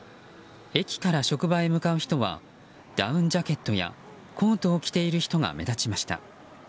駅から職場へ向かう人はダウンジャケットやコートを着ている人が目立ちました。